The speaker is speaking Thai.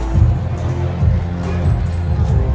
สโลแมคริปราบาล